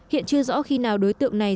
hiện chưa rõ khi nào đối tượng này